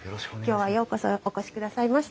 今日はようこそお越しくださいました。